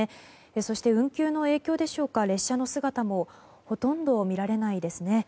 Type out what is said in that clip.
そして運休の影響でしょうか列車の姿もほとんど見られないですね。